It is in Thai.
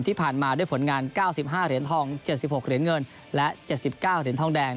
ที่ผ่านมาด้วยผลงาน๙๕เหรียญทอง๗๖เหรียญเงินและ๗๙เหรียญทองแดง